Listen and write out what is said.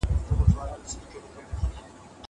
زه سبزېجات نه تياروم!